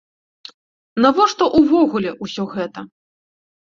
Навошта увогуле ўсё гэта?